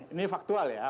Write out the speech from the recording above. ini faktual ya